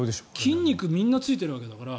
筋肉みんなついているわけだから。